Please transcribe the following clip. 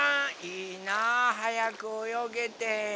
いいなはやくおよげて。